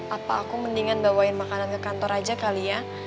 apa aku mendingan bawain makanan ke kantor aja kali ya